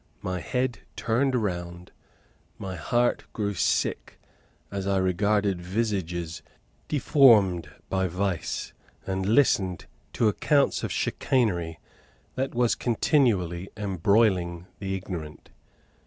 My head turned round, my heart grew sick, as I regarded visages deformed by vice, and listened to accounts of chicanery that was continually embroiling the ignorant.